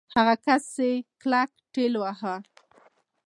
هغه کس يې کلک ټېلوهه.